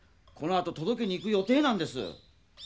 このあととどけにいく予定なんです。